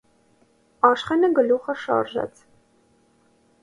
Աշխենը գլուխը շարժեց: